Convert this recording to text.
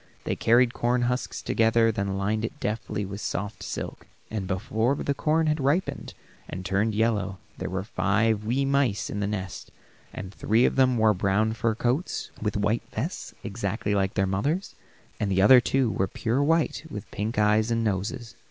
They carried corn husks together, then lined it deftly with the soft silk, and before the corn had ripened and turned yellow, there were five wee mice in the nest, and three of them wore brown fur coats, with white vests, exactly like their mother's, and the other two were pure white with pink eyes and noses.